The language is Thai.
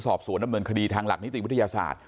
สอบสวนดำเนินคดีทางหลักนิติวิทยาศาสตร์